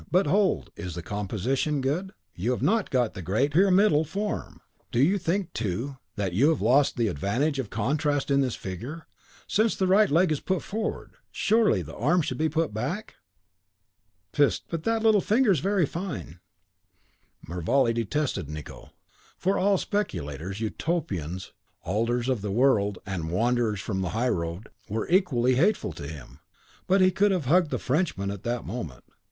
But, hold! is the composition good? You have not got the great pyramidal form. Don't you think, too, that you have lost the advantage of contrast in this figure; since the right leg is put forward, surely the right arm should be put back? Peste! but that little finger is very fine!" Mervale detested Nicot. For all speculators, Utopians, alterers of the world, and wanderers from the high road, were equally hateful to him; but he could have hugged the Frenchman at that moment.